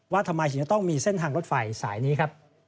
ทำไมถึงจะต้องมีเส้นทางรถไฟสายนี้ครับ